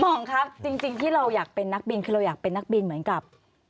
หมองครับจริงที่เราอยากเป็นนักบินคือเราอยากเป็นนักบินเหมือนกับ